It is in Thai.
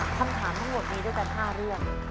คำถามทั้งหมดนี้ได้เป็น๕เรื่อง